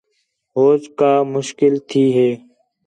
ہوچ کا مشکل تھی ہِے